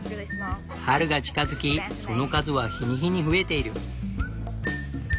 春が近づきその数は日に日に増えている。